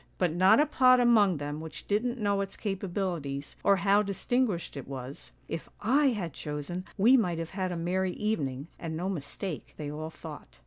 But not a pot among them which didn't know its capabilities, or how dis tinguished it was, ' If / had chosen, we might have had a merry evening, and no mistake,' they all thought.